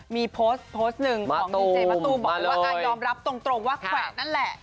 มีโพสต์หนึ่งของเงินเจมส์มาตูบอกว่ายอมรับตรงว่าแขวนนั่นแหละ